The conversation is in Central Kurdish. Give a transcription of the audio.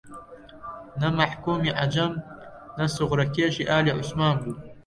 نە مەحکوومی عەجەم نە سوخرەکێشی ئالی عوسمان بوو